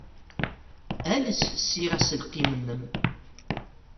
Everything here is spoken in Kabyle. Ales ssiɣ aselkim-nnem.